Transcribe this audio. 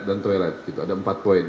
beliau sudah ber magazine